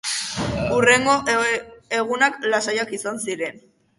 Hurrengo egunak lasaiak izan ziren.